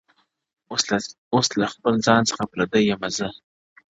• اوس له خپل ځان څخه پردى يمه زه ـ